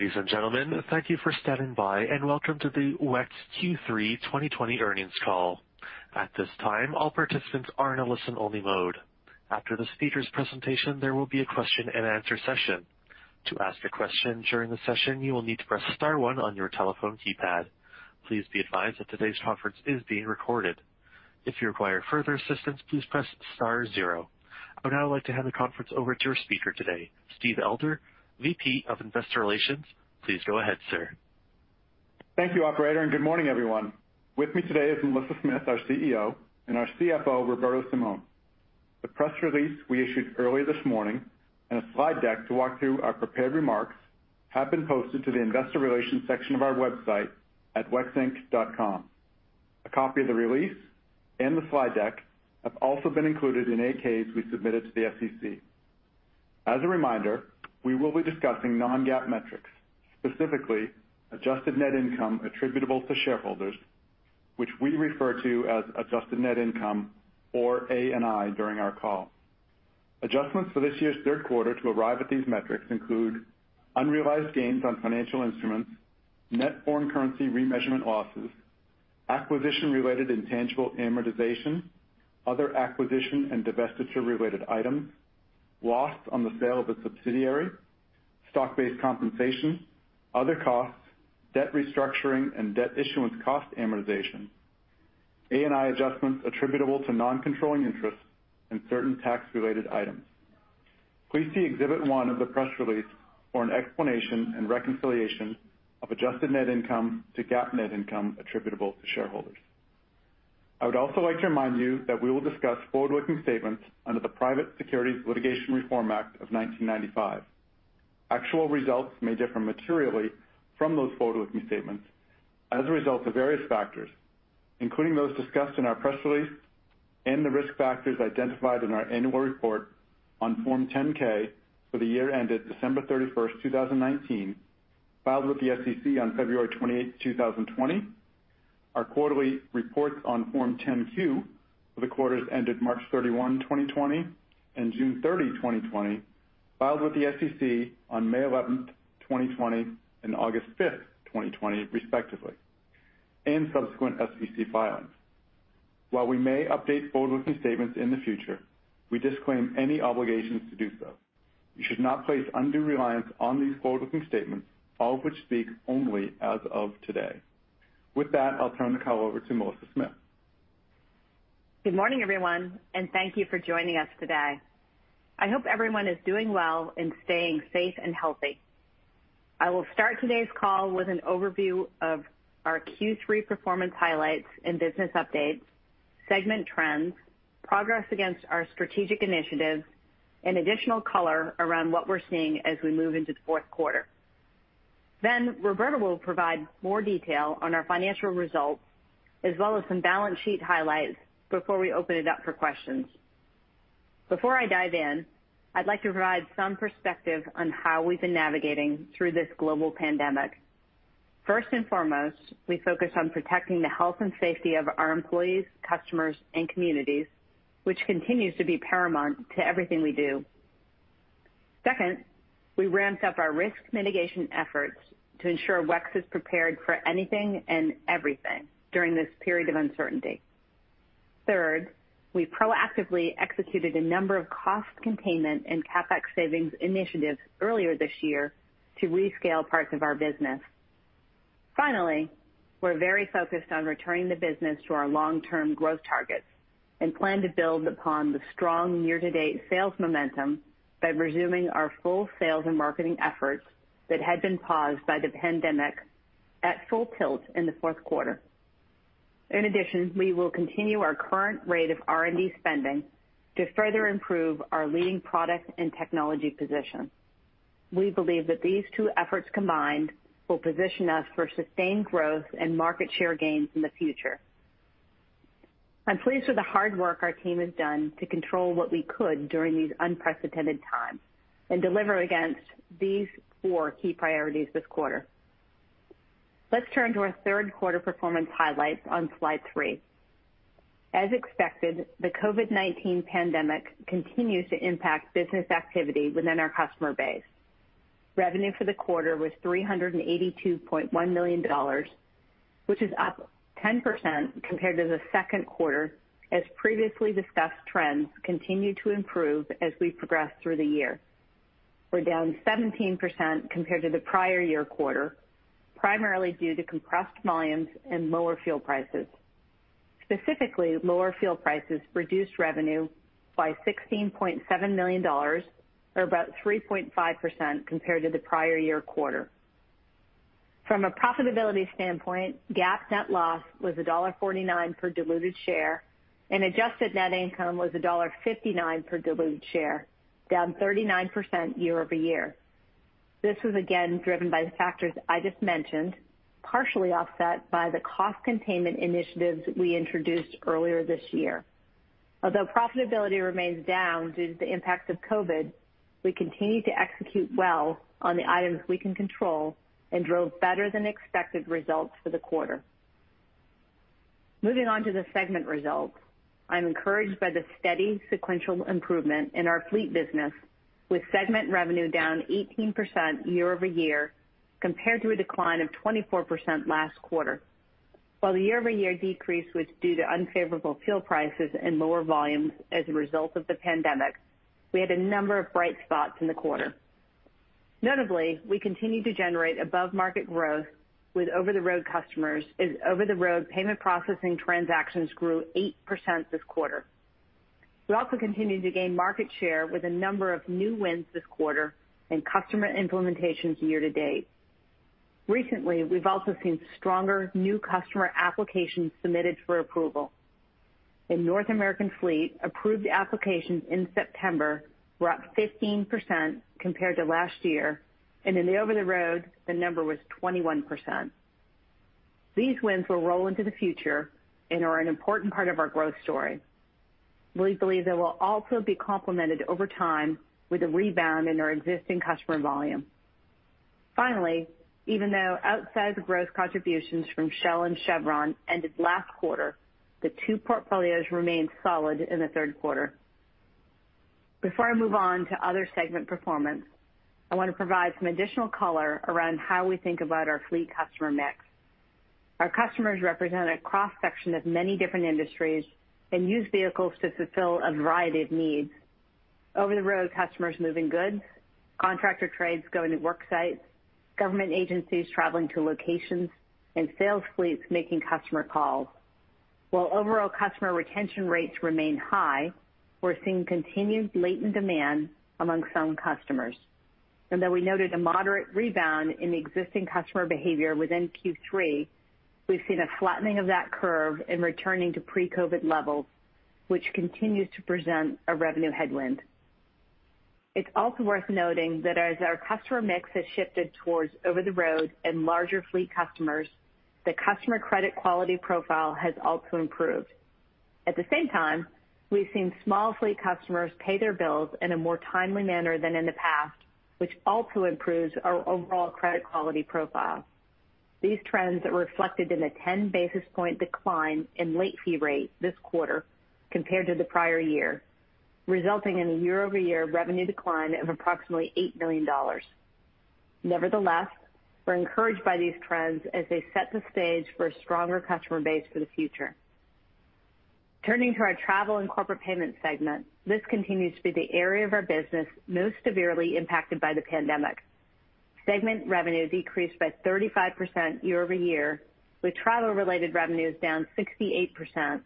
Ladies and gentlemen, thank you for standing by and welcome to the WEX Q3 2020 earnings call. I would now like to hand the conference over to your speaker today, Steve Elder, VP of Investor Relations. Please go ahead, sir. Thank you operator, and good morning, everyone. With me today is Melissa Smith, our CEO, and our CFO, Roberto Simon. The press release we issued early this morning and a slide deck to walk through our prepared remarks have been posted to the investor relations section of our website at wexinc.com. A copy of the release and the slide deck have also been included in 8-Ks we submitted to the SEC. As a reminder, we will be discussing non-GAAP metrics, specifically adjusted net income attributable to shareholders, which we refer to as adjusted net income or ANI during our call. Adjustments for this year's Q3 to arrive at these metrics include unrealized gains on financial instruments, net foreign currency remeasurement losses, acquisition-related intangible amortization, other acquisition and divestiture-related items, loss on the sale of a subsidiary, stock-based compensation, other costs, debt restructuring, and debt issuance cost amortization, ANI adjustments attributable to non-controlling interests, and certain tax-related items. Please see Exhibit 1 of the press release for an explanation and reconciliation of adjusted net income to GAAP net income attributable to shareholders. I would also like to remind you that we will discuss forward-looking statements under the Private Securities Litigation Reform Act of 1995. Actual results may differ materially from those forward-looking statements as a result of various factors, including those discussed in our press release and the risk factors identified in our annual report on Form 10-K for the year ended December 31st, 2019, filed with the SEC on February 28th, 2020, our quarterly reports on Form 10-Q for the quarters ended March 31, 2020, and June 30, 2020, filed with the SEC on May 11th, 2020, and August 5th, 2020, respectively, and subsequent SEC filings. While we may update forward-looking statements in the future, we disclaim any obligations to do so. You should not place undue reliance on these forward-looking statements, all of which speak only as of today. With that, I'll turn the call over to Melissa Smith. Good morning, everyone, and thank you for joining us today. I hope everyone is doing well and staying safe and healthy. I will start today's call with an overview of our Q3 performance highlights and business updates, segment trends, progress against our strategic initiatives, and additional color around what we're seeing as we move into the Q4. Roberto will provide more detail on our financial results, as well as some balance sheet highlights before we open it up for questions. Before I dive in, I'd like to provide some perspective on how we've been navigating through this global pandemic. First and foremost, we focus on protecting the health and safety of our employees, customers, and communities, which continues to be paramount to everything we do. Second, we ramped up our risk mitigation efforts to ensure WEX is prepared for anything and everything during this period of uncertainty. Third, we proactively executed a number of cost containment and CapEx savings initiatives earlier this year to rescale parts of our business. Finally, we're very focused on returning the business to our long-term growth targets and plan to build upon the strong year-to-date sales momentum by resuming our full sales and marketing efforts that had been paused by the pandemic at full tilt in the Q4. In addition, we will continue our current rate of R&D spending to further improve our leading product and technology position. We believe that these two efforts combined will position us for sustained growth and market share gains in the future. I'm pleased with the hard work our team has done to control what we could during these unprecedented times and deliver against these four key priorities this quarter. Let's turn to our Q3 performance highlights on slide three. As expected, the COVID-19 pandemic continues to impact business activity within our customer base. Revenue for the quarter was $382.1 million, which is up 10% compared to the Q2, as previously discussed trends continue to improve as we progress through the year. We're down 17% compared to the prior year quarter, primarily due to compressed volumes and lower fuel prices. Specifically, lower fuel prices reduced revenue by $16.7 million, or about 3.5% compared to the prior year quarter. From a profitability standpoint, GAAP net loss was $1.49 per diluted share, and adjusted net income was $1.59 per diluted share, down 39% year-over-year. This was again driven by the factors I just mentioned, partially offset by the cost containment initiatives we introduced earlier this year. Although profitability remains down due to the impact of COVID-19, we continue to execute well on the items we can control and drove better than expected results for the quarter. Moving on to the segment results. I'm encouraged by the steady sequential improvement in our fleet business, with segment revenue down 18% year-over-year, compared to a decline of 24% last quarter. While the year-over-year decrease was due to unfavorable fuel prices and lower volumes as a result of the pandemic, we had a number of bright spots in the quarter. Notably, we continued to generate above-market growth with over-the-road customers, as over-the-road payment processing transactions grew 8% this quarter. We also continued to gain market share with a number of new wins this quarter and customer implementations year-to-date. Recently, we've also seen stronger new customer applications submitted for approval. In North American Fleet, approved applications in September were up 15% compared to last year, and in the Over-the-Road, the number was 21%. These wins will roll into the future and are an important part of our growth story. We believe they will also be complemented over time with a rebound in our existing customer volume. Finally, even though outsized growth contributions from Shell and Chevron ended last quarter, the two portfolios remained solid in the Q3. Before I move on to other segment performance, I want to provide some additional color around how we think about our fleet customer mix. Our customers represent a cross-section of many different industries and use vehicles to fulfill a variety of needs. Over-the-Road customers moving goods, contractor trades going to work sites, government agencies traveling to locations, and sales fleets making customer calls. While overall customer retention rates remain high, we're seeing continued latent demand among some customers. Though we noted a moderate rebound in the existing customer behavior within Q3, we've seen a flattening of that curve in returning to pre-COVID levels, which continues to present a revenue headwind. It's also worth noting that as our customer mix has shifted towards over-the-road and larger fleet customers, the customer credit quality profile has also improved. At the same time, we've seen small fleet customers pay their bills in a more timely manner than in the past, which also improves our overall credit quality profile. These trends are reflected in the 10-basis-point decline in late fee rate this quarter compared to the prior year, resulting in a year-over-year revenue decline of approximately $8 million. Nevertheless, we're encouraged by these trends as they set the stage for a stronger customer base for the future. Turning to our travel and corporate payment segment, this continues to be the area of our business most severely impacted by the pandemic. Segment revenue decreased by 35% year-over-year, with travel-related revenues down 68%,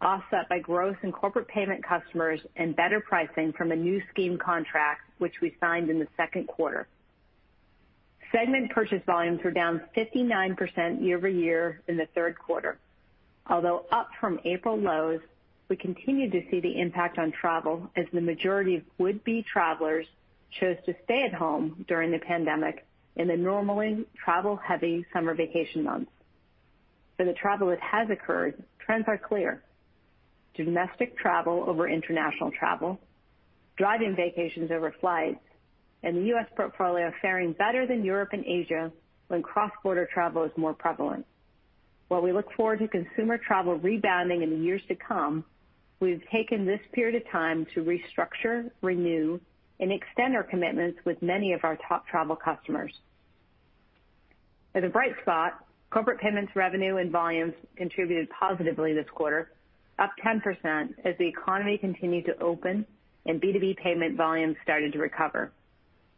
offset by growth in corporate payment customers and better pricing from a new scheme contract, which we signed in the Q2. Segment purchase volumes were down 59% year-over-year in the Q3. Although up from April lows, we continue to see the impact on travel as the majority of would-be travelers chose to stay at home during the pandemic in the normally travel-heavy summer vacation months. For the travel that has occurred, trends are clear. Domestic travel over international travel, drive-in vacations over flights, and the U.S. portfolio faring better than Europe and Asia when cross-border travel is more prevalent. While we look forward to consumer travel rebounding in the years to come, we've taken this period of time to restructure, renew, and extend our commitments with many of our top travel customers. As a bright spot, corporate payments revenue and volumes contributed positively this quarter, up 10% as the economy continued to open and B2B payment volumes started to recover.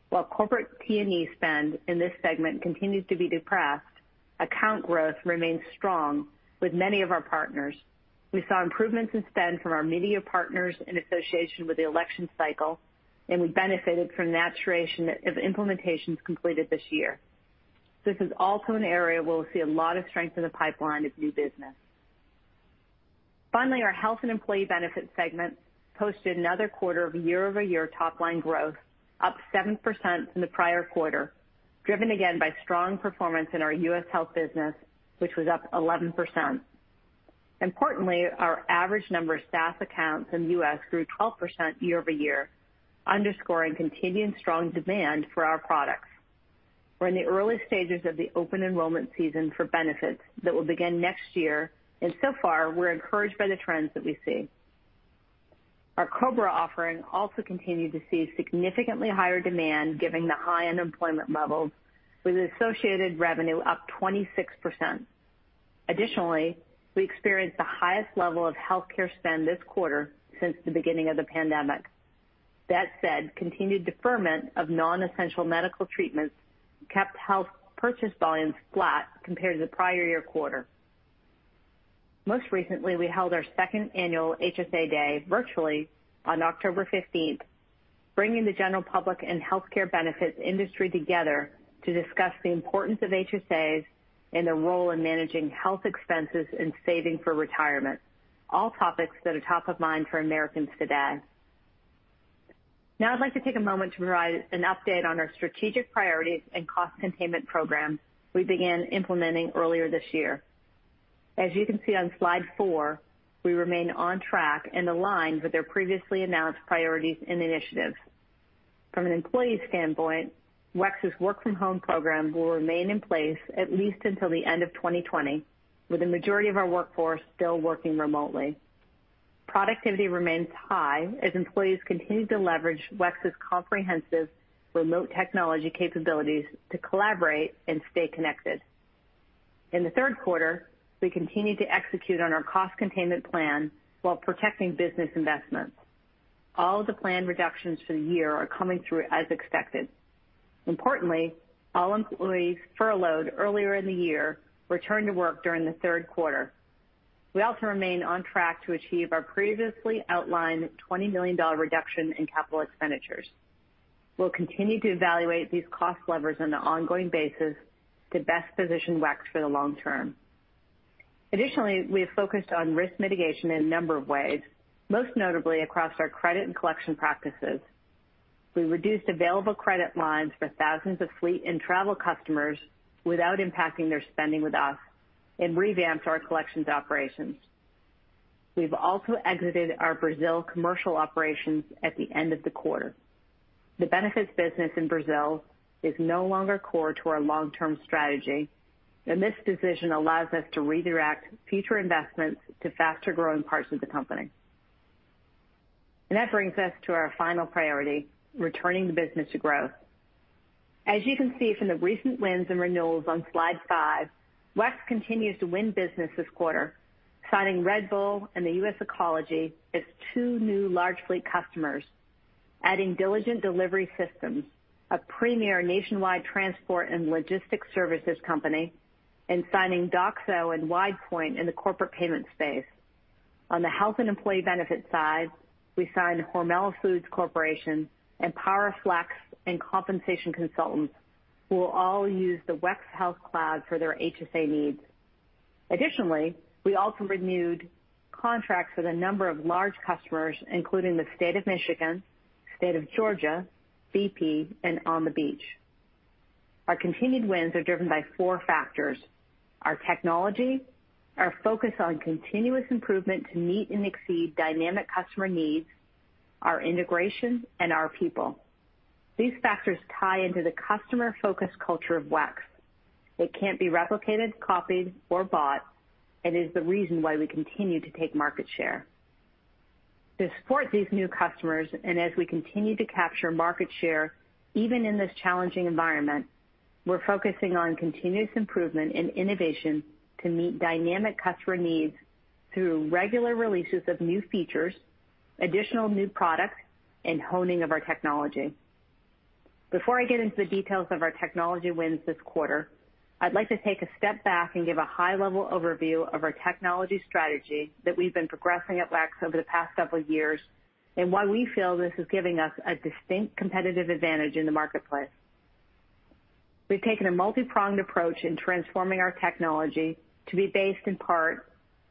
While corporate T&E spend in this segment continued to be depressed, account growth remained strong with many of our partners. We saw improvements in spend from our media partners in association with the election cycle, and we benefited from the maturation of implementations completed this year. This is also an area where we'll see a lot of strength in the pipeline of new business. Our health and employee benefits segment posted another quarter of year-over-year top-line growth, up 7% from the prior quarter, driven again by strong performance in our U.S. health business, which was up 11%. Importantly, our average number of saaS accounts in the U.S. grew 12% year-over-year, underscoring continued strong demand for our products. We're in the early stages of the open enrollment season for benefits that will begin next year. So far, we're encouraged by the trends that we see. Our COBRA offering also continued to see significantly higher demand given the high unemployment levels, with associated revenue up 26%. Additionally, we experienced the highest level of healthcare spend this quarter since the beginning of the pandemic. That said, continued deferment of non-essential medical treatments kept health purchase volumes flat compared to the prior year quarter. Most recently, we held our second annual HSA Day virtually on October 15th, bringing the general public and healthcare benefits industry together to discuss the importance of HSAs and their role in managing health expenses and saving for retirement, all topics that are top of mind for Americans today. I'd like to take a moment to provide an update on our strategic priorities and cost containment program we began implementing earlier this year. As you can see on slide four, we remain on track and aligned with our previously announced priorities and initiatives. From an employee standpoint, WEX's work from home program will remain in place at least until the end of 2020, with the majority of our workforce still working remotely. Productivity remains high as employees continue to leverage WEX's comprehensive remote technology capabilities to collaborate and stay connected. In the Q3, we continued to execute on our cost containment plan while protecting business investments. All the planned reductions for the year are coming through as expected. Importantly, all employees furloughed earlier in the year returned to work during the Q3. We also remain on track to achieve our previously outlined $20 million reduction in capital expenditures. We'll continue to evaluate these cost levers on an ongoing basis to best position WEX for the long term. Additionally, we have focused on risk mitigation in a number of ways, most notably across our credit and collection practices. We reduced available credit lines for thousands of fleet and travel customers without impacting their spending with us and revamped our collections operations. We've also exited our Brazil commercial operations at the end of the quarter. The benefits business in Brazil is no longer core to our long-term strategy, and this decision allows us to redirect future investments to faster-growing parts of the company. That brings us to our final priority, returning the business to growth. As you can see from the recent wins and renewals on slide five, WEX continues to win business this quarter, signing Red Bull and the U.S. Ecology as two new large fleet customers, adding Diligent Delivery Systems, a premier nationwide transport and logistics services company, and signing doxo and WidePoint in the corporate payment space. On the health and employee benefits side, we signed Hormel Foods Corporation, EmpowerFlex, and Compensation Consultants, who will all use the WEX Health Cloud for their HSA needs. Additionally, we also renewed contracts with a number of large customers, including the state of Michigan, state of Georgia, BP, and On the Beach. Our continued wins are driven by four factors: our technology, our focus on continuous improvement to meet and exceed dynamic customer needs, our integration, and our people. These factors tie into the customer-focused culture of WEX. It can't be replicated, copied, or bought, and is the reason why we continue to take market share. To support these new customers and as we continue to capture market share, even in this challenging environment, we're focusing on continuous improvement and innovation to meet dynamic customer needs through regular releases of new features, additional new products, and honing of our technology. Before I get into the details of our technology wins this quarter, I'd like to take a step back and give a high-level overview of our technology strategy that we've been progressing at WEX over the past several years and why we feel this is giving us a distinct competitive advantage in the marketplace. We've taken a multi-pronged approach in transforming our technology to be based in part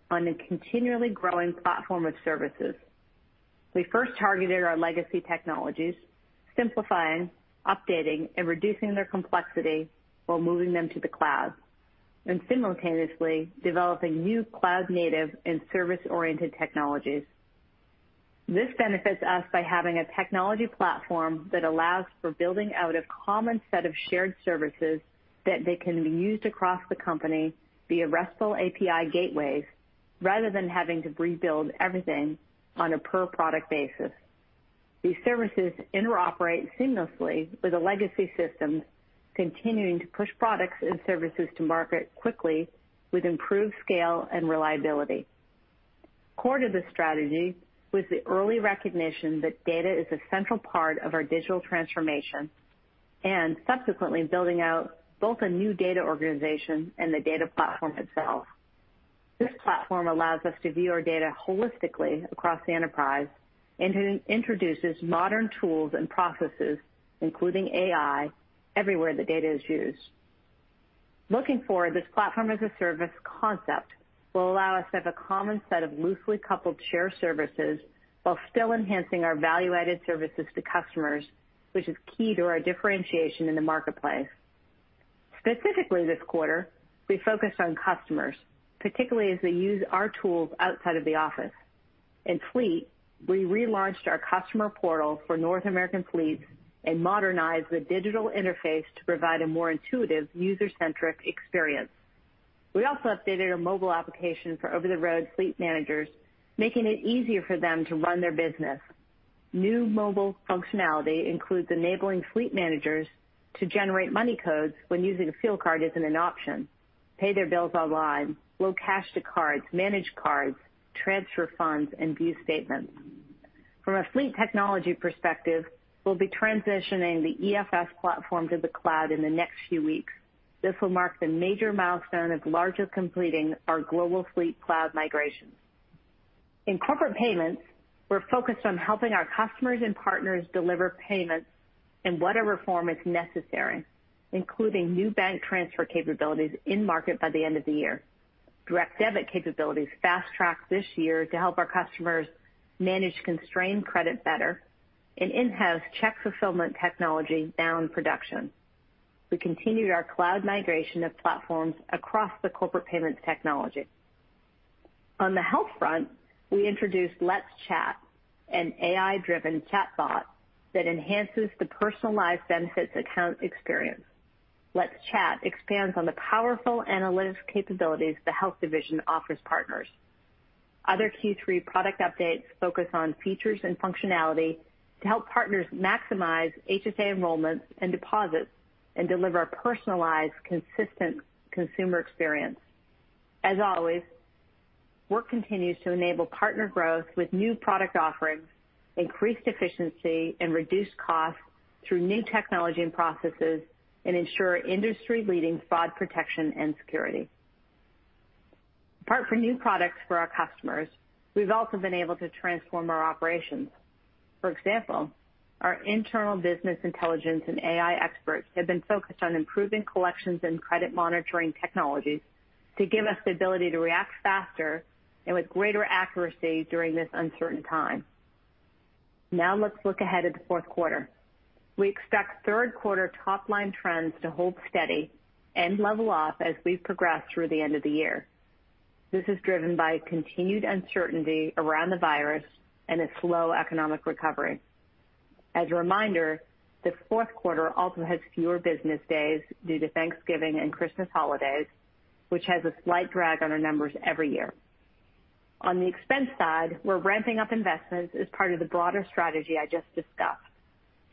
on a continually growing platform of services. We first targeted our legacy technologies, simplifying, updating, and reducing their complexity while moving them to the cloud, and simultaneously developing new cloud-native and service-oriented technologies. This benefits us by having a technology platform that allows for building out a common set of shared services that they can be used across the company via RESTful API gateways, rather than having to rebuild everything on a per-product basis. These services interoperate seamlessly with the legacy systems, continuing to push products and services to market quickly with improved scale and reliability. Core to this strategy was the early recognition that data is a central part of our digital transformation and subsequently building out both a new data organization and the data platform itself. This platform allows us to view our data holistically across the enterprise and introduces modern tools and processes, including AI, everywhere the data is used. Looking forward, this platform as a service concept will allow us to have a common set of loosely coupled shared services while still enhancing our value-added services to customers, which is key to our differentiation in the marketplace. Specifically this quarter, we focused on customers, particularly as they use our tools outside of the office. In fleet, we relaunched our customer portal for North American Fleet and modernized the digital interface to provide a more intuitive, user-centric experience. We also updated our mobile application for over-the-road fleet managers, making it easier for them to run their business. New mobile functionality includes enabling fleet managers to generate money codes when using a fuel card isn't an option, pay their bills online, load cash to cards, manage cards, transfer funds, and view statements. From a fleet technology perspective, we'll be transitioning the EFS platform to the cloud in the next few weeks. This will mark the major milestone of largely completing our global fleet cloud migration. In corporate payments, we're focused on helping our customers and partners deliver payments in whatever form is necessary, including new bank transfer capabilities in market by the end of the year. Direct debit capabilities fast-tracked this year to help our customers manage constrained credit better, and in-house check fulfillment technology is now in production. We continued our cloud migration of platforms across the corporate payments technology. On the health front, we introduced Let's Chat, an AI-driven chatbot that enhances the personalized benefits account experience. Let's Chat expands on the powerful analytics capabilities the health division offers partners. Other Q3 product updates focus on features and functionality to help partners maximize HSA enrollments and deposits and deliver a personalized, consistent consumer experience. As always, work continues to enable partner growth with new product offerings, increased efficiency, and reduced costs through new technology and processes, and ensure industry-leading fraud protection and security. Apart from new products for our customers, we've also been able to transform our operations. For example, our internal business intelligence and AI experts have been focused on improving collections and credit monitoring technologies to give us the ability to react faster and with greater accuracy during this uncertain time. Now let's look ahead at the Q4. We expect Q3 top-line trends to hold steady and level off as we progress through the end of the year. This is driven by continued uncertainty around the virus and a slow economic recovery. As a reminder, the Q4 also has fewer business days due to Thanksgiving and Christmas holidays, which has a slight drag on our numbers every year. On the expense side, we're ramping up investments as part of the broader strategy I just discussed.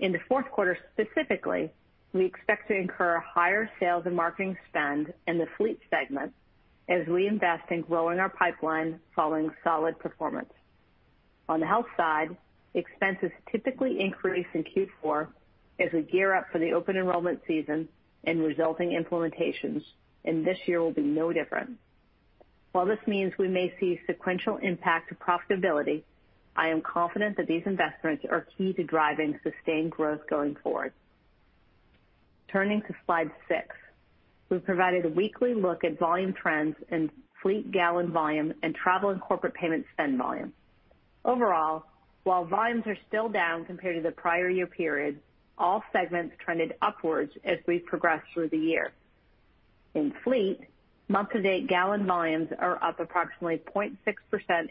In the Q4, specifically, we expect to incur higher sales and marketing spend in the fleet segment as we invest in growing our pipeline following solid performance. On the health side, expenses typically increase in Q4 as we gear up for the open enrollment season and resulting implementations. This year will be no different. While this means we may see sequential impact to profitability, I am confident that these investments are key to driving sustained growth going forward. Turning to slide six, we've provided a weekly look at volume trends in fleet gallon volume and travel and corporate payment spend volume. Overall, while volumes are still down compared to the prior year period, all segments trended upwards as we progressed through the year. In fleet, month-to-date gallon volumes are up approximately 0.6%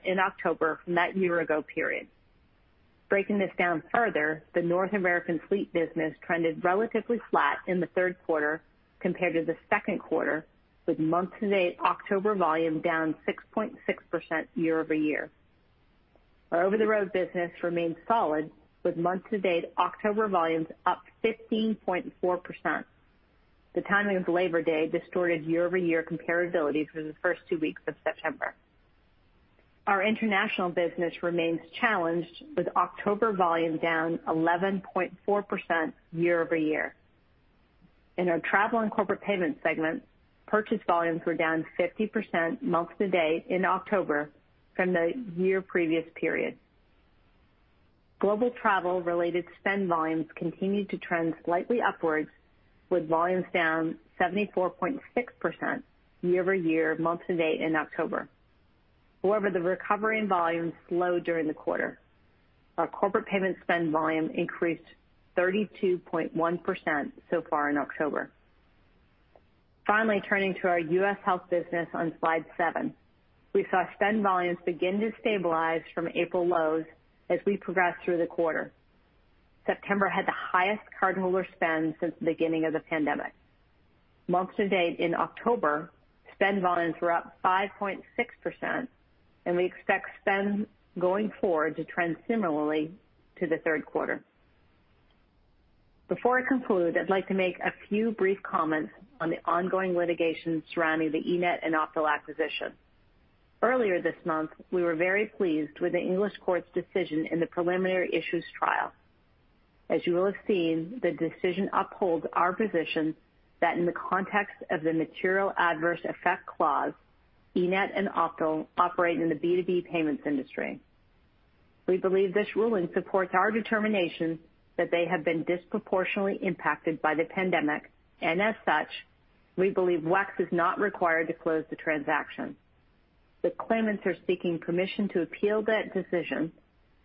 in October from that year-ago period. Breaking this down further, the North American Fleet business trended relatively flat in the Q3 compared to the Q2, with month-to-date October volume down 6.6% year-over-year. Our Over-the-Road business remains solid, with month-to-date October volumes up 15.4%. The timing of Labor Day distorted year-over-year comparabilities for the first two weeks of September. Our international business remains challenged, with October volume down 11.4% year-over-year. In our travel and corporate payment segment, purchase volumes were down 50% month-to-date in October from the year previous period. Global travel-related spend volumes continued to trend slightly upwards, with volumes down 74.6% year-over-year, month-to-date in October. However, the recovery in volume slowed during the quarter. Our corporate payment spend volume increased 32.1% so far in October. Finally, turning to our U.S. health business on slide seven. We saw spend volumes begin to stabilize from April lows as we progressed through the quarter. September had the highest cardholder spend since the beginning of the pandemic. Month to date in October, spend volumes were up 5.6%. We expect spend going forward to trend similarly to the Q3. Before I conclude, I'd like to make a few brief comments on the ongoing litigation surrounding the eNett and Optal acquisition. Earlier this month, we were very pleased with the English court's decision in the preliminary issues trial. As you will have seen, the decision upholds our position that in the context of the material adverse effect clause, eNett and Optal operate in the B2B payments industry. We believe this ruling supports our determination that they have been disproportionately impacted by the pandemic. As such, we believe WEX is not required to close the transaction. The claimants are seeking permission to appeal that decision,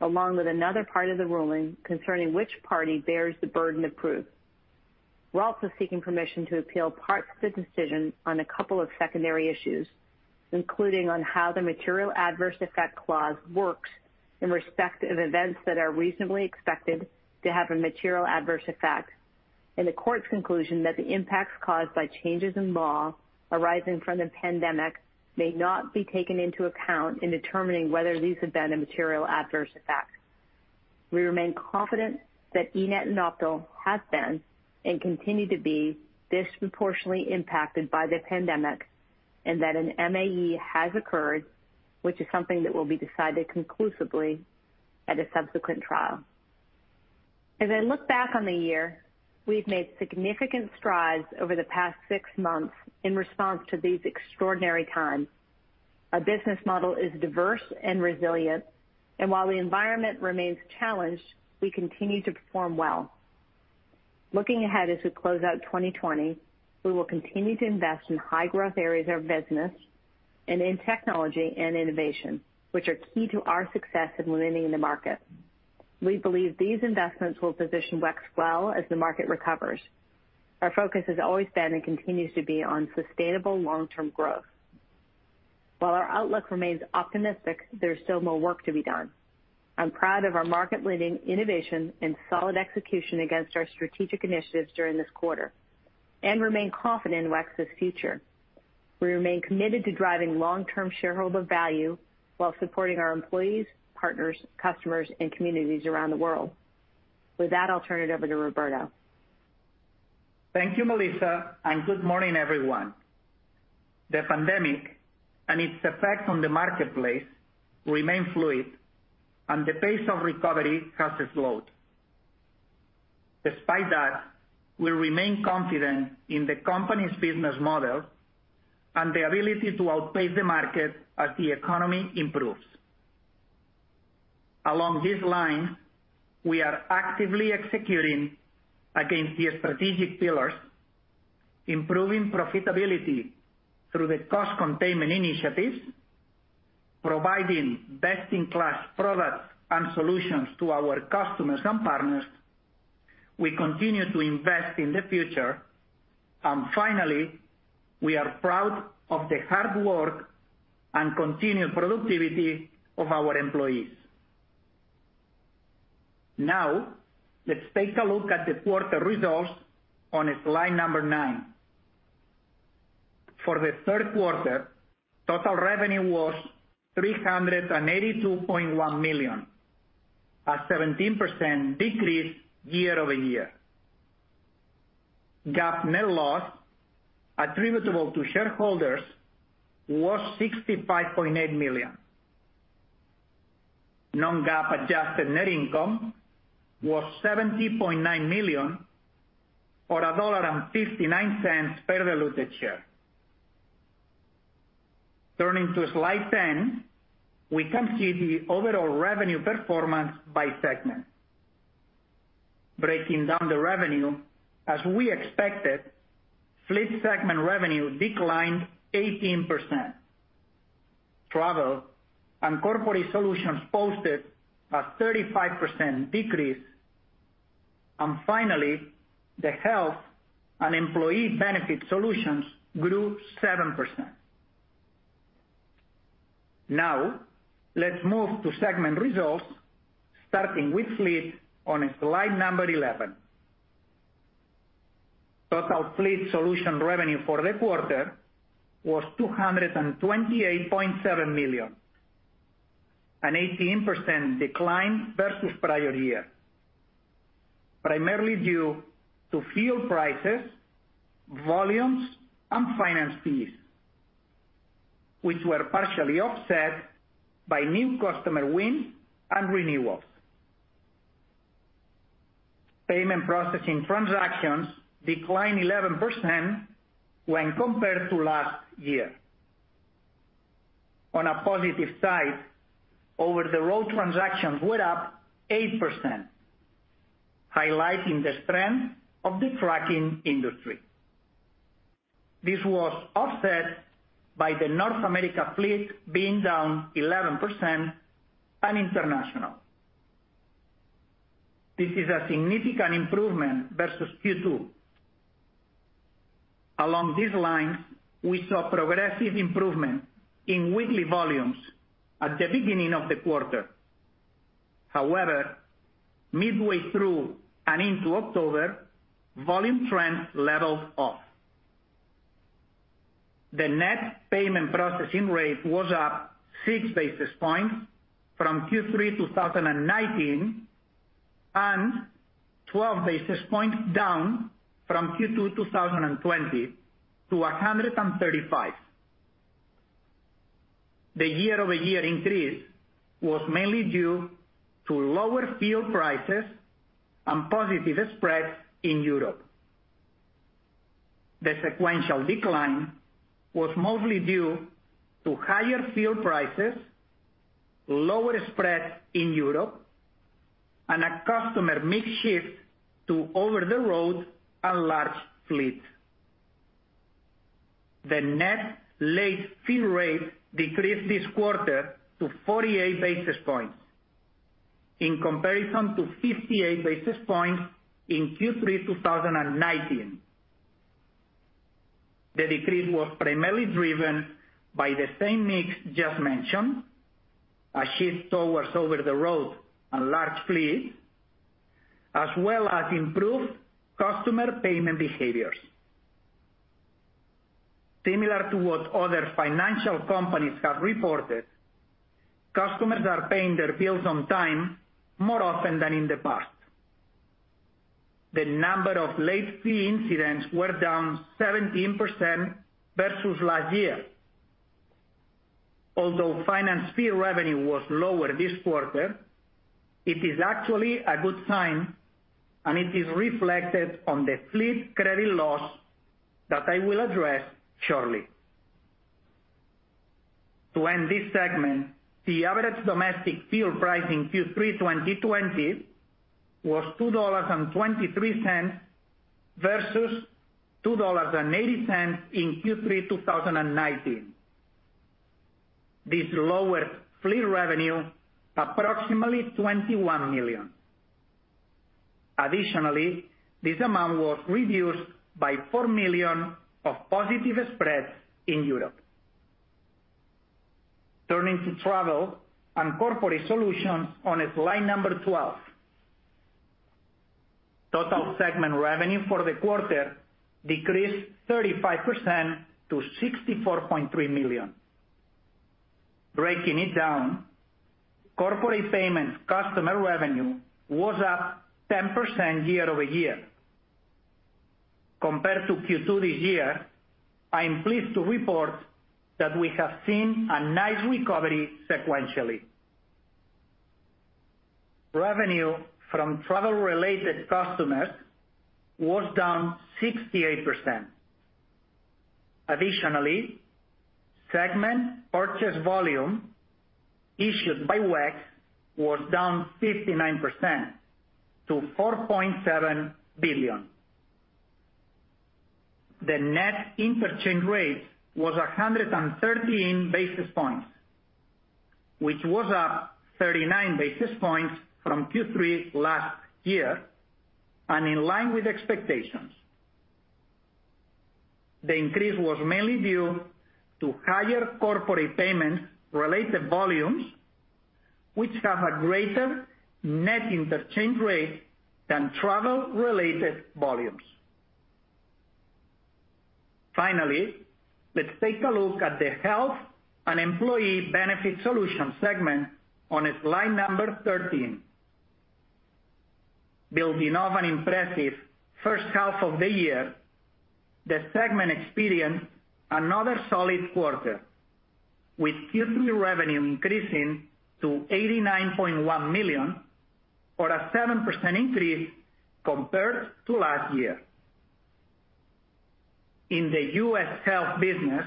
along with another part of the ruling concerning which party bears the burden of proof. We're also seeking permission to appeal parts of the decision on a couple of secondary issues, including on how the material adverse effect clause works in respect of events that are reasonably expected to have a material adverse effect, and the court's conclusion that the impacts caused by changes in law arising from the pandemic may not be taken into account in determining whether these have been a material adverse effect. We remain confident that eNett and Optal have been and continue to be disproportionately impacted by the pandemic, and that an MAE has occurred, which is something that will be decided conclusively at a subsequent trial. As I look back on the year, we've made significant strides over the past six months in response to these extraordinary times. Our business model is diverse and resilient, and while the environment remains challenged, we continue to perform well. Looking ahead as we close out 2020, we will continue to invest in high-growth areas of our business and in technology and innovation, which are key to our success in winning in the market. We believe these investments will position WEX well as the market recovers. Our focus has always been and continues to be on sustainable long-term growth. While our outlook remains optimistic, there's still more work to be done. I'm proud of our market-leading innovation and solid execution against our strategic initiatives during this quarter, and remain confident in WEX's future. We remain committed to driving long-term shareholder value while supporting our employees, partners, customers, and communities around the world. With that, I'll turn it over to Roberto. Thank you, Melissa. Good morning, everyone. The pandemic and its effects on the marketplace remain fluid, and the pace of recovery has slowed. Despite that, we remain confident in the company's business model and the ability to outpace the market as the economy improves. Along these lines, we are actively executing against the strategic pillars, improving profitability through the cost containment initiatives, providing best-in-class products and solutions to our customers and partners. We continue to invest in the future. Finally, we are proud of the hard work and continued productivity of our employees. Now, let's take a look at the quarter results on slide nine. For the Q3, total revenue was $382.1 million, a 17% decrease year-over-year. GAAP net loss attributable to shareholders was $65.8 million. Non-GAAP Adjusted Net Income was $70.9 million, or $1.59 per diluted share. Turning to slide 10, we can see the overall revenue performance by segment. Breaking down the revenue, as we expected, Fleet segment revenue declined 18%. Travel and Corporate Solutions posted a 35% decrease. Finally, the Health and Employee Benefit Solutions grew 7%. Now, let's move to segment results, starting with Fleet on slide 11. Total Fleet solution revenue for the quarter was $228.7 million, an 18% decline versus prior year, primarily due to fuel prices, volumes, and finance fees, which were partially offset by new customer wins and renewals. Payment processing transactions declined 11% when compared to last year. On a positive side, OTR transactions were up 8%, highlighting the strength of the trucking industry. This was offset by the North American Fleet being down 11% and international. This is a significant improvement versus Q2. Along these lines, we saw progressive improvement in weekly volumes at the beginning of the quarter. Midway through and into October, volume trends leveled off. The net payment processing rate was up six basis points from Q3 2019 and 12 basis points down from Q2 2020 to 135. The year-over-year increase was mainly due to lower fuel prices and positive spreads in Europe. The sequential decline was mostly due to higher fuel prices, lower spreads in Europe, and a customer mix shift to over-the-road and large fleets. The net late fee rate decreased this quarter to 48 basis points in comparison to 58 basis points in Q3 2019. The decrease was primarily driven by the same mix just mentioned, a shift towards over-the-road and large fleets, as well as improved customer payment behaviors. Similar to what other financial companies have reported, customers are paying their bills on time more often than in the past. The number of late fee incidents were down 17% versus last year. Although finance fee revenue was lower this quarter, it is actually a good sign, and it is reflected on the fleet credit loss that I will address shortly. To end this segment, the average domestic fuel price in Q3 2020 was $2.23 versus $2.80 in Q3 2019. This lowered fleet revenue approximately $21 million. Additionally, this amount was reduced by $4 million of positive spreads in Europe. Turning to travel and corporate solutions on slide number 12. Total segment revenue for the quarter decreased 35% to $64.3 million. Breaking it down, corporate payments customer revenue was up 10% year-over-year. Compared to Q2 this year, I am pleased to report that we have seen a nice recovery sequentially. Revenue from travel-related customers was down 68%. Additionally, segment purchase volume issued by WEX was down 59% to $4.7 billion. The net interchange rate was 113 basis points, which was up 39 basis points from Q3 last year and in line with expectations. The increase was mainly due to higher corporate payments-related volumes, which have a greater net interchange rate than travel-related volumes. Finally, let's take a look at the health and employee benefit solutions segment on slide number 13. Building off an impressive first half of the year, the segment experienced another solid quarter, with Q3 revenue increasing to $89.1 million or a 7% increase compared to last year. In the U.S. health business,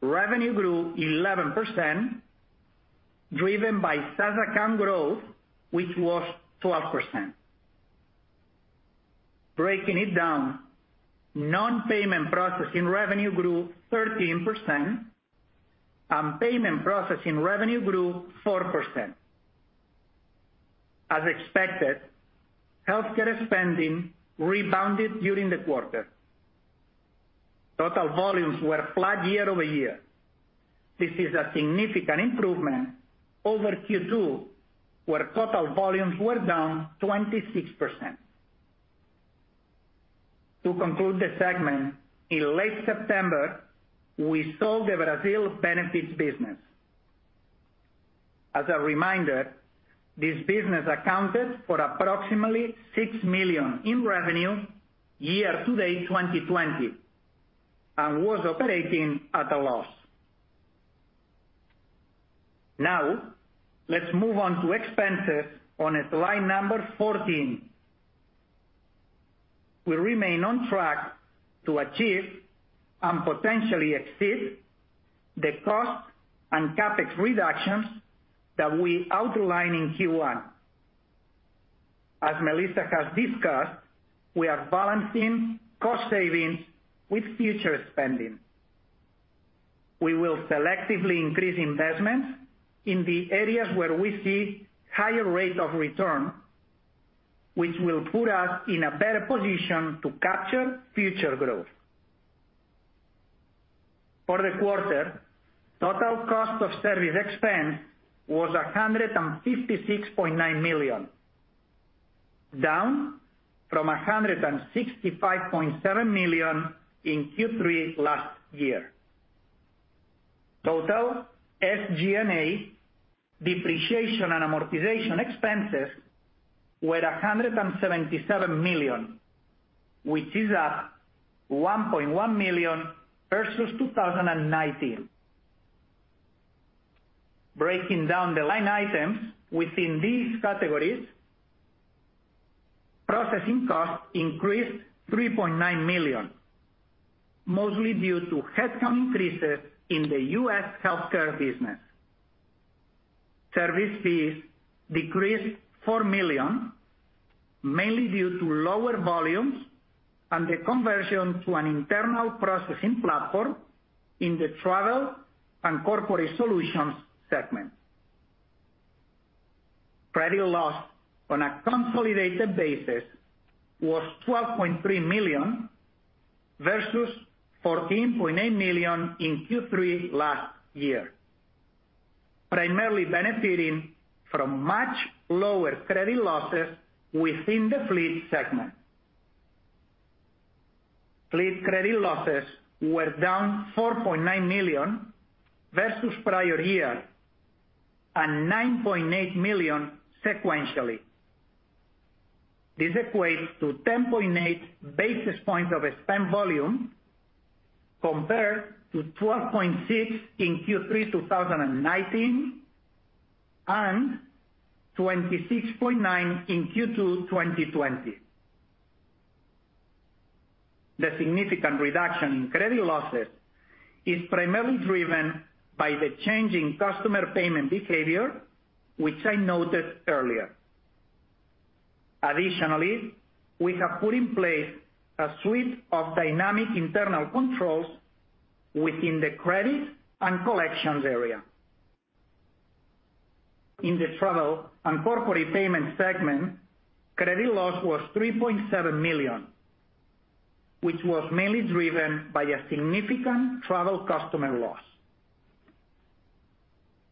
revenue grew 11%, driven by SaaS account growth, which was 12%. Breaking it down, non-payment processing revenue grew 13% and payment processing revenue grew 4%. As expected, healthcare spending rebounded during the quarter. Total volumes were flat year-over-year. This is a significant improvement over Q2, where total volumes were down 26%. To conclude the segment, in late September, we sold the Brazil benefits business. As a reminder, this business accounted for approximately $6 million in revenue year-to-date 2020 and was operating at a loss. Let's move on to expenses on slide 14. We remain on track to achieve and potentially exceed the cost and CapEx reductions that we outlined in Q1. As Melissa has discussed, we are balancing cost savings with future spending. We will selectively increase investments in the areas where we see higher rate of return, which will put us in a better position to capture future growth. For the quarter, total cost of service expense was $156.9 million, down from $165.7 million in Q3 last year. Total SG&A depreciation and amortization expenses were $177 million, which is up $1.1 million versus 2019. Breaking down the line items within these categories, processing costs increased $3.9 million, mostly due to headcount increases in the U.S. healthcare business. Service fees decreased $4 million, mainly due to lower volumes and the conversion to an internal processing platform in the travel and corporate solutions segment. Credit loss on a consolidated basis was $12.3 million versus $14.8 million in Q3 last year, primarily benefiting from much lower credit losses within the fleet segment. Fleet credit losses were down $4.9 million versus prior year and $9.8 million sequentially. This equates to 10.8 basis points of spend volume compared to 12.6 in Q3 2019 and 26.9 in Q2 2020. The significant reduction in credit losses is primarily driven by the change in customer payment behavior, which I noted earlier. Additionally, we have put in place a suite of dynamic internal controls within the credit and collections area. In the travel and corporate payment segment, credit loss was $3.7 million, which was mainly driven by a significant travel customer loss.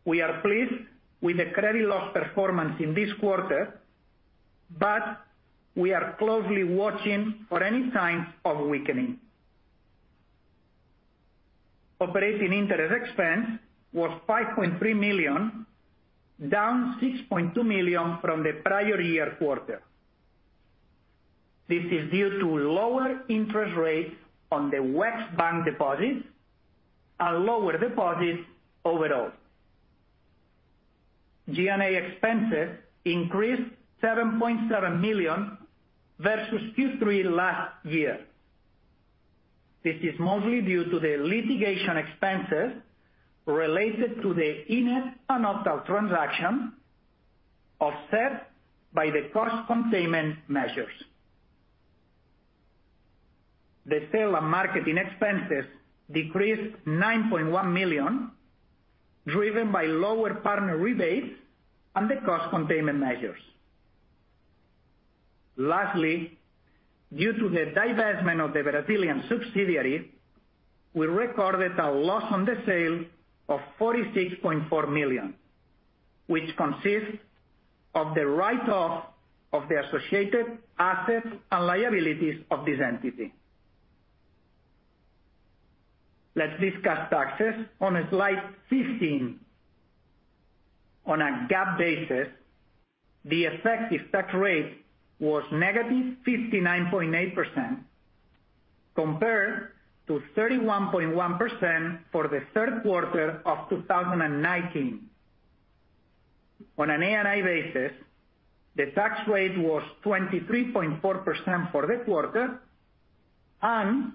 We are pleased with the credit loss performance in this quarter, we are closely watching for any signs of weakening. Operating interest expense was $5.3 million, down $6.2 million from the prior year quarter. This is due to lower interest rates on the WEX bank deposits and lower deposits overall. G&A expenses increased $7.7 million versus Q3 last year. This is mostly due to the litigation expenses related to the eNett and Optal transaction, offset by the cost containment measures. The sale and marketing expenses decreased $9.1 million, driven by lower partner rebates and the cost containment measures. Lastly, due to the divestment of the Brazilian subsidiary, we recorded a loss on the sale of $46.4 million, which consists of the write-off of the associated assets and liabilities of this entity. Let's discuss taxes on slide 15. On a GAAP basis, the effective tax rate was -59.8%, compared to 31.1% for the Q3 of 2019. On an ANI basis, the tax rate was 23.4% for the quarter and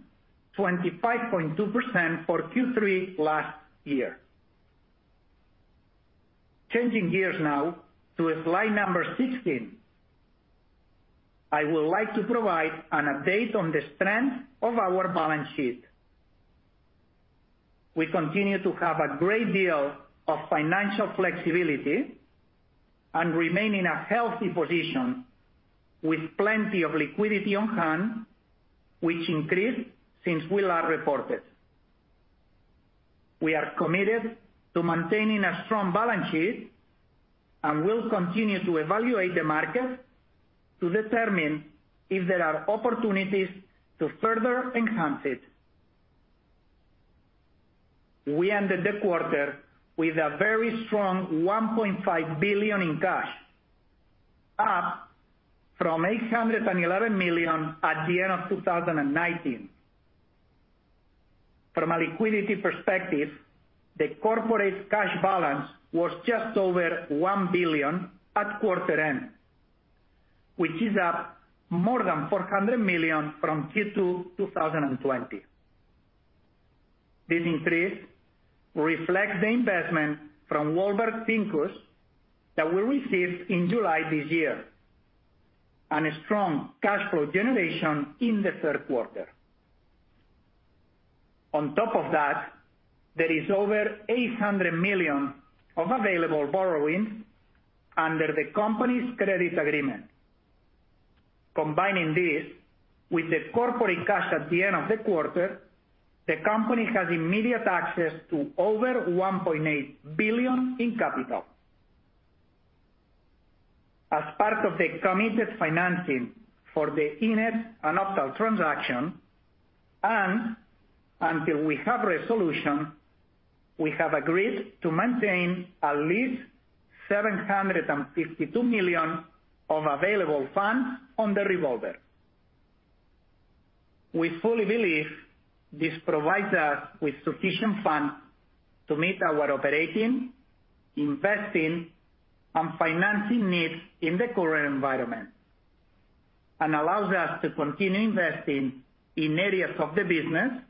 25.2% for Q3 last year. Changing gears now to slide number 16. I would like to provide an update on the strength of our balance sheet. We continue to have a great deal of financial flexibility and remain in a healthy position with plenty of liquidity on hand, which increased since we last reported. We are committed to maintaining a strong balance sheet and will continue to evaluate the market to determine if there are opportunities to further enhance it. We ended the quarter with a very strong $1.5 billion in cash, up from $811 million at the end of 2019. From a liquidity perspective, the corporate cash balance was just over $1 billion at quarter end, which is up more than $400 million from Q2 2020. This increase reflects the investment from Warburg Pincus that we received in July this year, and a strong cash flow generation in the Q3. On top of that, there is over $800 million of available borrowing under the company's credit agreement. Combining this with the corporate cash at the end of the quarter, the company has immediate access to over $1.8 billion in capital. As part of the committed financing for the eNett and Optal transaction, and until we have resolution, we have agreed to maintain at least $752 million of available funds on the revolver. We fully believe this provides us with sufficient funds to meet our operating, investing, and financing needs in the current environment and allows us to continue investing in areas of the business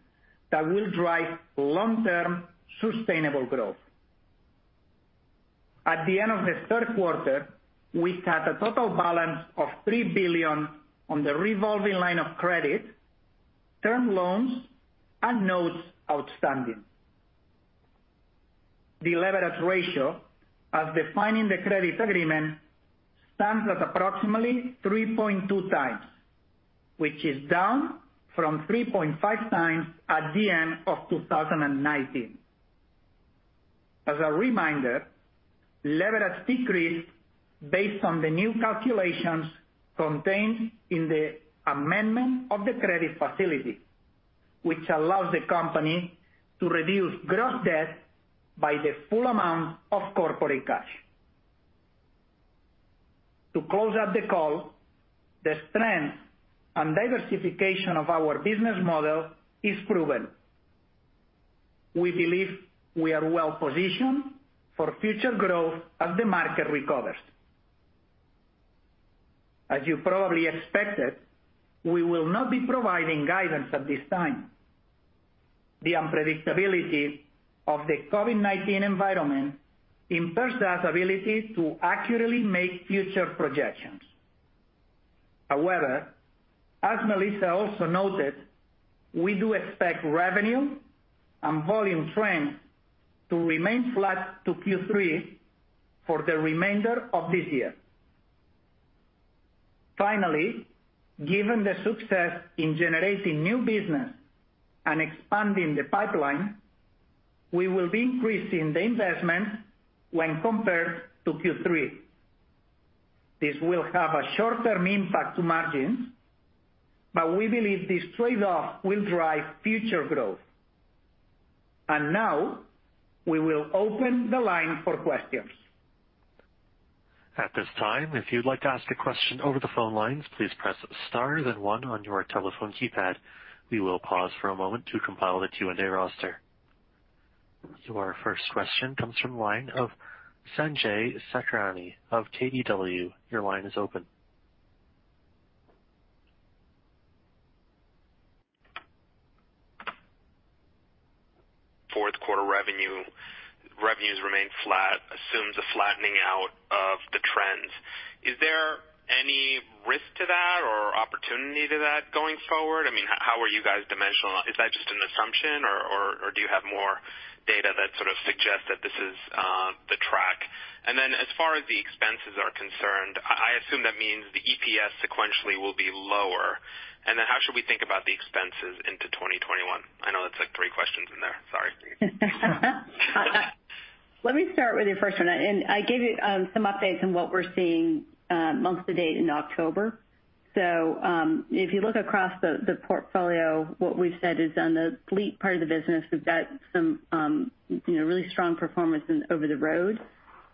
that will drive long-term sustainable growth. At the end of the Q3, we had a total balance of $3 billion on the revolving line of credit, term loans, and notes outstanding. The leverage ratio, as defined in the credit agreement, stands at approximately 3.2x, which is down from 3.5x at the end of 2019. As a reminder, leverage decreased based on the new calculations contained in the amendment of the credit facility, which allows the company to reduce gross debt by the full amount of corporate cash. To close out the call, the strength and diversification of our business model is proven. We believe we are well-positioned for future growth as the market recovers. As you probably expected, we will not be providing guidance at this time. The unpredictability of the COVID-19 environment impairs our ability to accurately make future projections. However, as Melissa also noted, we do expect revenue and volume trends to remain flat to Q3 for the remainder of this year. Finally, given the success in generating new business and expanding the pipeline, we will be increasing the investment when compared to Q3. This will have a short-term impact to margins, but we believe this trade-off will drive future growth. Now, we will open the line for questions. At this time, if you'd like to ask a question over the phone lines, please press star then one on your telephone keypad. We will pause for a moment to compile the Q&A roster. Our first question comes from the line of Sanjay Sakhrani of KBW. Your line is open. Q4 revenues remain flat, assumes a flattening out of the trends. Is there any risk to that or opportunity to that going forward? How are you guys dimensional? Is that just an assumption or do you have more data that sort of suggests that this is the track? As far as the expenses are concerned, I assume that means the EPS sequentially will be lower. How should we think about the expenses into 2021? I know that's like three questions in there. Sorry. Let me start with your first one. I gave you some updates on what we're seeing month to date in October. If you look across the portfolio, what we've said is on the fleet part of the business, we've got some really strong performance in over the road,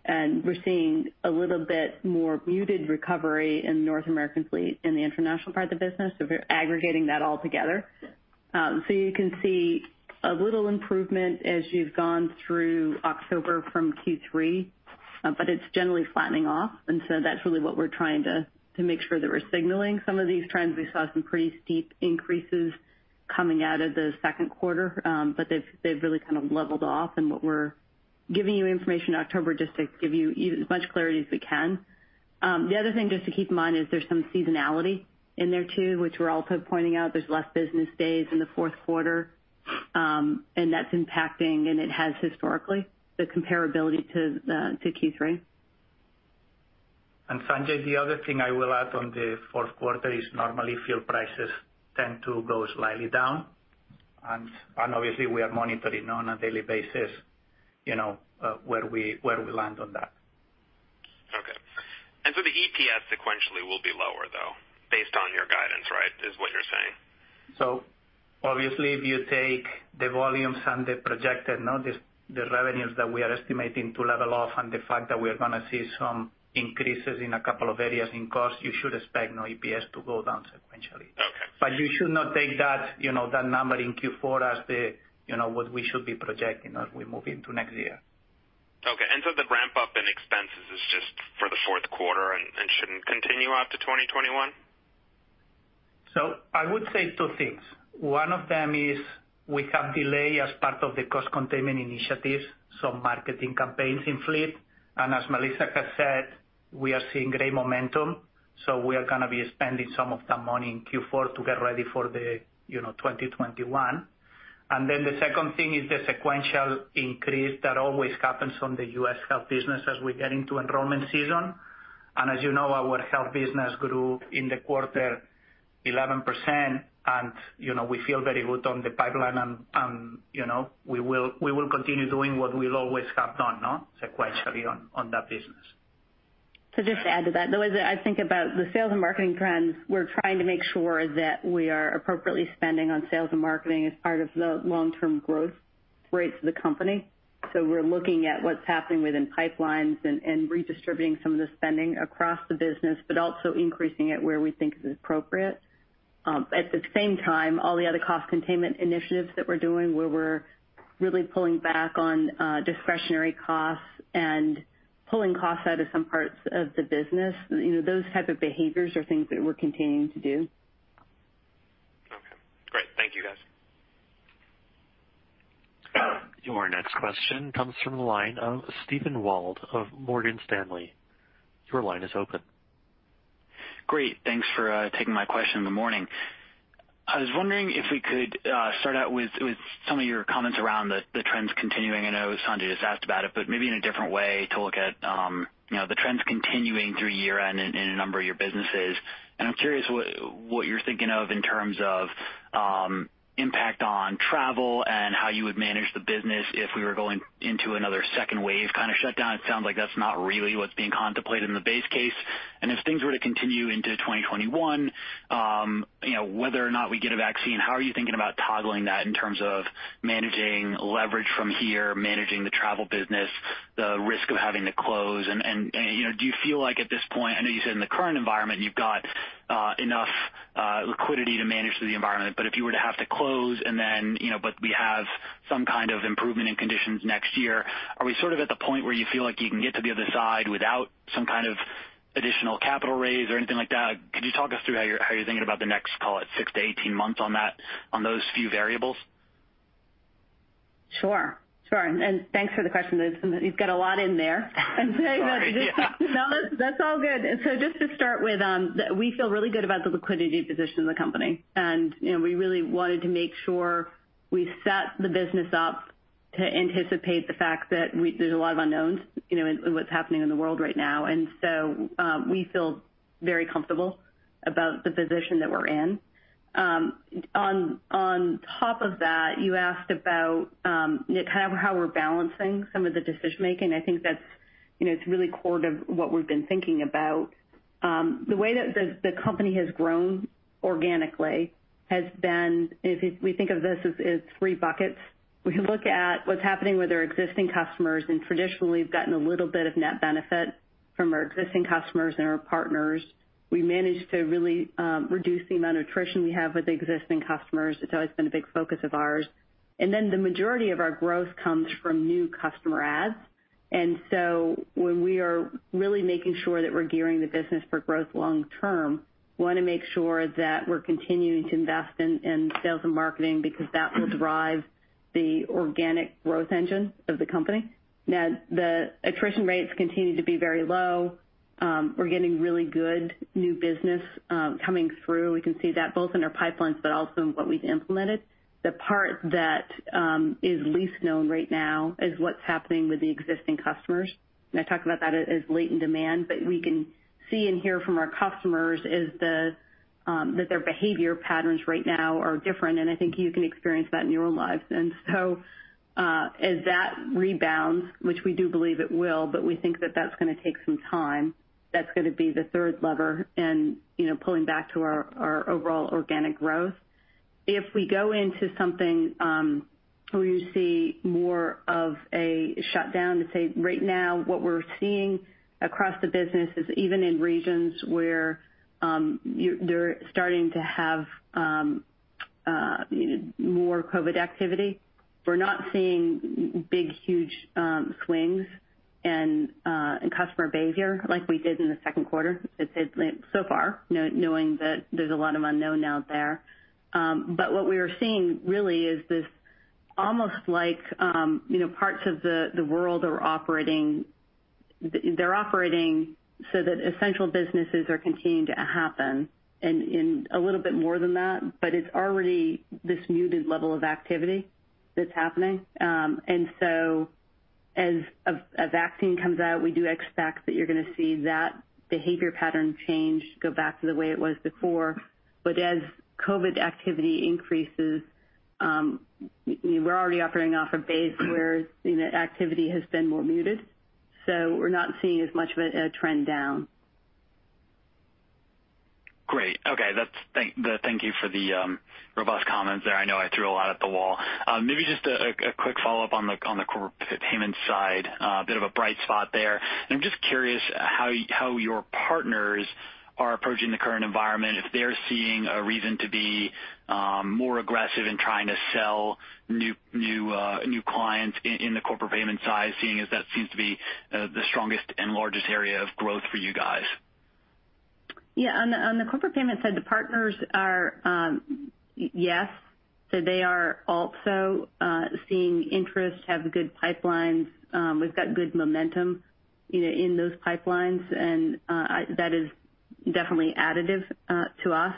and we're seeing a little bit more muted recovery in North American Fleet in the international part of the business. We're aggregating that all together. You can see a little improvement as you've gone through October from Q3, but it's generally flattening off. That's really what we're trying to make sure that we're signaling some of these trends. We saw some pretty steep increases coming out of the Q2. They've really kind of leveled off and what we're giving you information in October just to give you as much clarity as we can. The other thing just to keep in mind is there's some seasonality in there, too, which we're also pointing out. There's less business days in the Q4. That's impacting, and it has historically, the comparability to Q3. Sanjay, the other thing I will add on the Q4 is normally field prices tend to go slightly down. Obviously we are monitoring on a daily basis where we land on that. Okay. The EPS sequentially will be lower, though, based on your guidance, right? Is what you're saying. Obviously, if you take the volumes and the projected, the revenues that we are estimating to level off and the fact that we are going to see some increases in a couple of areas in cost, you should expect no EPS to go down sequentially. Okay. You should not take that number in Q4 as what we should be projecting as we move into next year. Okay. The ramp up in expenses is just for the Q4 and shouldn't continue after 2021? I would say two things. One of them is we have delay as part of the cost containment initiatives, some marketing campaigns in fleet. As Melissa has said, we are seeing great momentum, we are going to be spending some of that money in Q4 to get ready for 2021. The second thing is the sequential increase that always happens on the U.S. health business as we get into enrollment season. As you know, our health business grew in the quarter 11% and we feel very good on the pipeline and we will continue doing what we always have done, sequentially on that business. To just add to that, the way that I think about the sales and marketing trends, we're trying to make sure that we are appropriately spending on sales and marketing as part of the long-term growth rate for the company. We're looking at what's happening within pipelines and redistributing some of the spending across the business, but also increasing it where we think is appropriate. At the same time, all the other cost containment initiatives that we're doing where we're really pulling back on discretionary costs and pulling costs out of some parts of the business, those type of behaviors are things that we're continuing to do. Okay, great. Thank you, guys. Your next question comes from the line of Steven Wald of Morgan Stanley. Your line is open. Great. Thanks for taking my question in the morning. I was wondering if we could start out with some of your comments around the trends continuing. I know Sanjay just asked about it, but maybe in a different way to look at the trends continuing through year-end in a number of your businesses. I'm curious what you're thinking of in terms of impact on travel and how you would manage the business if we were going into another second wave kind of shutdown. It sounds like that's not really what's being contemplated in the base case. If things were to continue into 2021, whether or not we get a vaccine, how are you thinking about toggling that in terms of managing leverage from here, managing the travel business, the risk of having to close? Do you feel like at this point, I know you said in the current environment, you've got enough liquidity to manage through the environment, but if you were to have to close and then we have some kind of improvement in conditions next year. Are we sort of at the point where you feel like you can get to the other side without some kind of additional capital raise or anything like that? Could you talk us through how you're thinking about the next, call it six to 18 months on those few variables? Sure. Thanks for the question. You've got a lot in there. Sorry, yeah. No, that's all good. Just to start with, we feel really good about the liquidity position of the company. We really wanted to make sure we set the business up to anticipate the fact that there's a lot of unknowns in what's happening in the world right now. We feel very comfortable about the position that we're in. On top of that, you asked about how we're balancing some of the decision-making. I think that it's really core to what we've been thinking about. The way that the company has grown organically has been, and if we think of this as three buckets. We look at what's happening with our existing customers, and traditionally we've gotten a little bit of net benefit from our existing customers and our partners. We managed to really reduce the amount of attrition we have with existing customers. It's always been a big focus of ours. The majority of our growth comes from new customer adds. When we are really making sure that we're gearing the business for growth long term, we want to make sure that we're continuing to invest in sales and marketing because that will drive the organic growth engine of the company. The attrition rates continue to be very low. We're getting really good new business coming through. We can see that both in our pipelines but also in what we've implemented. The part that is least known right now is what's happening with the existing customers, and I talk about that as latent demand. We can see and hear from our customers is that their behavior patterns right now are different, and I think you can experience that in your own lives. As that rebounds, which we do believe it will, but we think that that's going to take some time, that's going to be the third lever in pulling back to our overall organic growth. If we go into something where you see more of a shutdown, say right now, what we're seeing across the business is even in regions where they're starting to have more COVID activity, we're not seeing big, huge swings in customer behavior like we did in the Q2 so far, knowing that there's a lot of unknown out there. What we are seeing really is this almost like parts of the world, they're operating so that essential businesses are continuing to happen and a little bit more than that, but it's already this muted level of activity that's happening. As a vaccine comes out, we do expect that you're going to see that behavior pattern change go back to the way it was before. As COVID activity increases, we're already operating off a base where activity has been more muted. We're not seeing as much of a trend down. Great. Okay. Thank you for the robust comments there. I know I threw a lot at the wall. Maybe just a quick follow-up on the corporate payment side. A bit of a bright spot there. I'm just curious how your partners are approaching the current environment, if they're seeing a reason to be more aggressive in trying to sell new clients in the corporate payment side, seeing as that seems to be the strongest and largest area of growth for you guys. Yeah. On the corporate payment side. Yes. They are also seeing interest, have good pipelines. We've got good momentum in those pipelines, and that is definitely additive to us.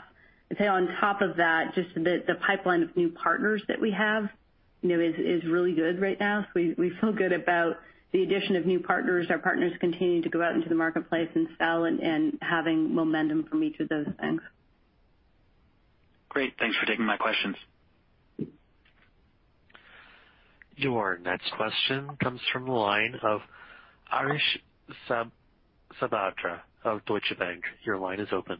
I'd say on top of that, just the pipeline of new partners that we have is really good right now. We feel good about the addition of new partners. Our partners continuing to go out into the marketplace and sell and having momentum from each of those things. Great. Thanks for taking my questions. Your next question comes from the line of Harsh Sabadra of Deutsche Bank. Your line is open.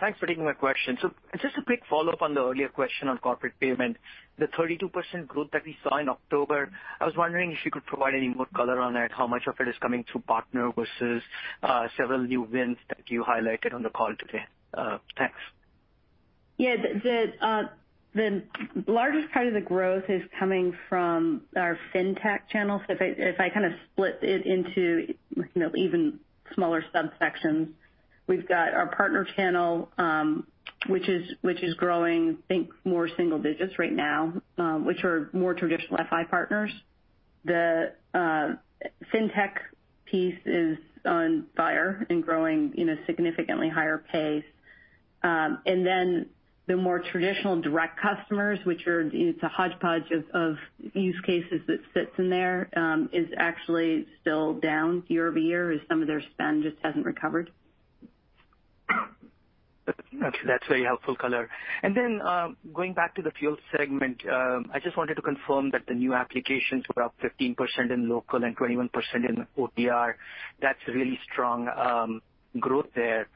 Thanks for taking my question. Just a quick follow-up on the earlier question on corporate payment. The 32% growth that we saw in October, I was wondering if you could provide any more color on it, how much of it is coming through partner versus several new wins that you highlighted on the call today. Thanks. Yeah. The largest part of the growth is coming from our fintech channel. If I kind of split it into even smaller subsections, we've got our partner channel which is growing, I think more single digits right now, which are more traditional FI partners. The fintech piece is on fire and growing in a significantly higher pace. Then the more traditional direct customers, it's a hodgepodge of use cases that sits in there, is actually still down year-over-year as some of their spend just hasn't recovered. That's very helpful color. Going back to the fuel segment, I just wanted to confirm that the new applications were up 15% in local and 21% in OTR. That's really strong growth there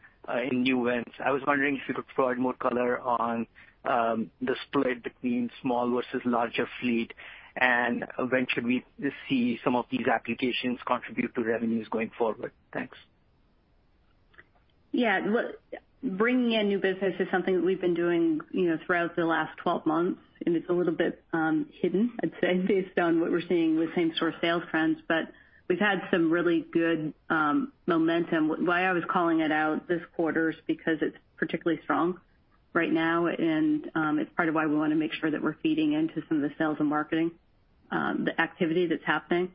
in new wins. I was wondering if you could provide more color on the split between small versus larger fleet, and when should we see some of these applications contribute to revenues going forward? Thanks. Bringing in new business is something that we've been doing throughout the last 12 months, and it's a little bit hidden, I'd say, based on what we're seeing with same-store sales trends. We've had some really good momentum. Why I was calling it out this quarter is because it's particularly strong right now, and it's part of why we want to make sure that we're feeding into some of the sales and marketing, the activity that's happening.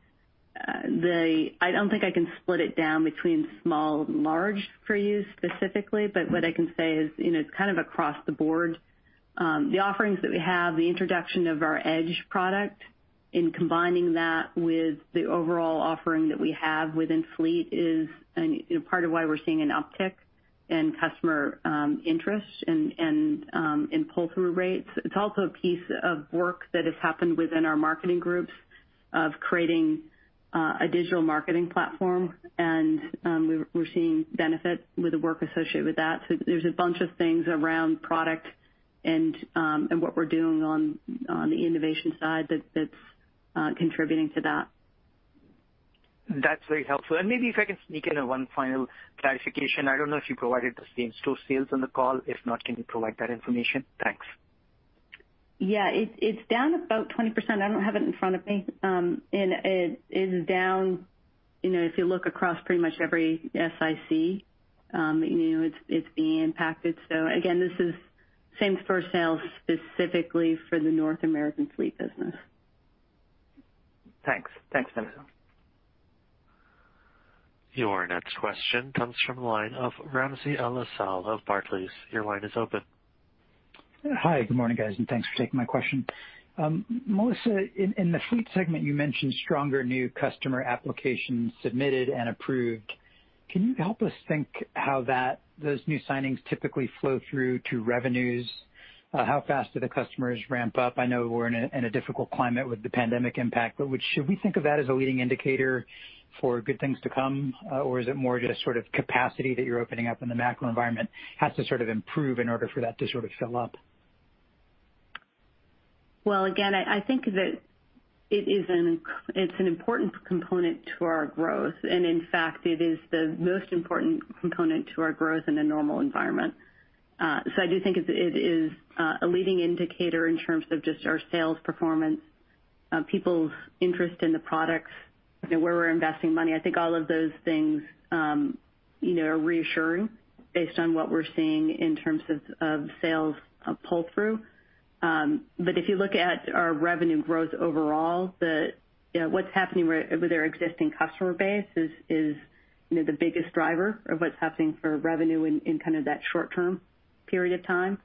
I don't think I can split it down between small and large for you specifically, but what I can say is it's kind of across the board. The offerings that we have, the introduction of our EDGE product and combining that with the overall offering that we have within fleet is part of why we're seeing an uptick in customer interest and in pull-through rates. It's also a piece of work that has happened within our marketing groups of creating a digital marketing platform, and we're seeing benefit with the work associated with that. There's a bunch of things around product and what we're doing on the innovation side that's contributing to that. That's very helpful. Maybe if I can sneak in one final clarification. I don't know if you provided the same-store sales on the call. If not, can you provide that information? Thanks. Yeah. It's down about 20%. I don't have it in front of me. It is down, if you look across pretty much every SIC, it's being impacted. Again, this is same-store sales specifically for the North American Fleet business. Thanks. Thanks, Melissa. Your next question comes from the line of Ramsey El-Assal of Barclays. Your line is open. Hi. Good morning, guys. Thanks for taking my question. Melissa, in the fleet segment, you mentioned stronger new customer applications submitted and approved. Can you help us think how those new signings typically flow through to revenues? How fast do the customers ramp up? I know we're in a difficult climate with the pandemic impact, should we think of that as a leading indicator for good things to come? Is it more just sort of capacity that you're opening up and the macro environment has to sort of improve in order for that to sort of fill up? Well, again, I think that it's an important component to our growth, and in fact, it is the most important component to our growth in a normal environment. I do think it is a leading indicator in terms of just our sales performance, people's interest in the products, where we're investing money. I think all of those things are reassuring based on what we're seeing in terms of sales pull-through. If you look at our revenue growth overall, what's happening with our existing customer base is the biggest driver of what's happening for revenue in kind of that short-term period of time.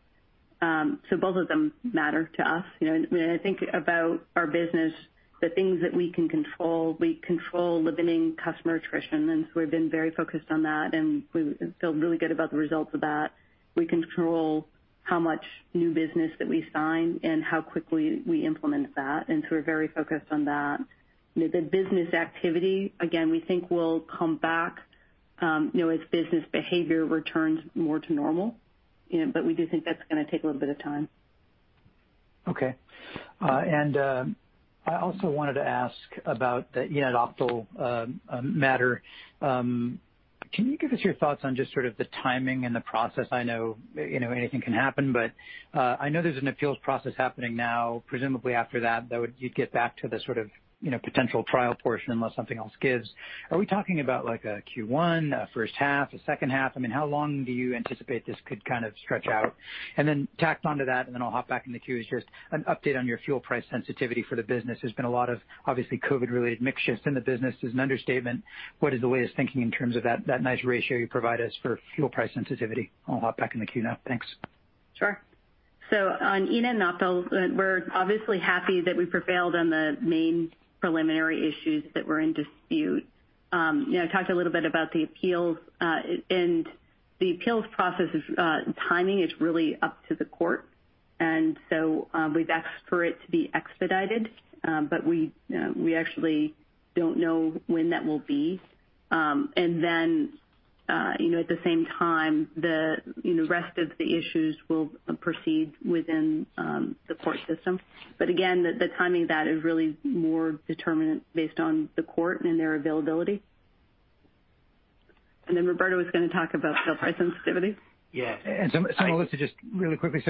Both of them matter to us. When I think about our business, the things that we can control, we control limiting customer attrition, and so we've been very focused on that, and we feel really good about the results of that. We control how much new business that we sign and how quickly we implement that, and so we're very focused on that. The business activity, again, we think will come back as business behavior returns more to normal. We do think that's going to take a little bit of time. Okay. I also wanted to ask about the eNett-Optal matter. Can you give us your thoughts on just sort of the timing and the process? I know anything can happen. I know there's an appeals process happening now. Presumably after that, you'd get back to the sort of potential trial portion unless something else gives. Are we talking about like a Q1, a first half, a H2? How long do you anticipate this could kind of stretch out? Tacked onto that, and then I'll hop back in the queue, is just an update on your fuel price sensitivity for the business. There's been a lot of obviously COVID-related mix shifts in the business is an understatement. What is the way of thinking in terms of that nice ratio you provide us for fuel price sensitivity? I'll hop back in the queue now. Thanks. Sure. On eNett and Optal, we're obviously happy that we prevailed on the main preliminary issues that were in dispute. I talked a little bit about the appeals. The appeals process timing is really up to the court, and so we've asked for it to be expedited. We actually don't know when that will be. At the same time, the rest of the issues will proceed within the court system. Again, the timing of that is really more determinant based on the court and their availability. Roberto was going to talk about fuel price sensitivity. Yeah. Melissa, just really quickly.